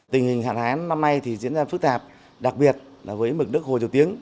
tình hình hạn hán năm nay diễn ra phức tạp đặc biệt với mực đất hồ dầu tiếng